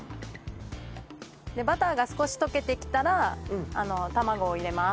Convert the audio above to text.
でバターが少し溶けてきたら卵を入れます。